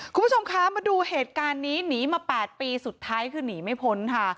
คุณผู้ชมคะมาดูเหตุการณ์นี้หนีมา๘ปีสุดท้ายคือหนีไม่พ้นค่ะ